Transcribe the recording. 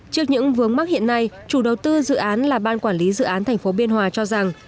trước những vướng mắc hiện nay chủ đầu tư dự án là ban quản lý dự án thành phố biên hòa cho rằng